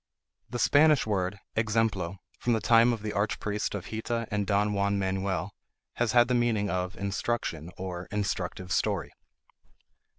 The Spanish word exemplo, from the time of the archpriest of Hita and Don Juan Manuel, has had the meaning of instruction, or instructive story.